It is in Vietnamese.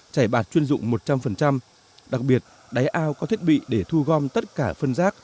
chảy bạt chuyên dụng một trăm linh đặc biệt đáy ao có thiết bị để thu gom tất cả phân rác